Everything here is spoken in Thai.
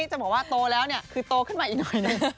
จะบอกว่าโตแล้วคือโตขึ้นมาอีกหน่อย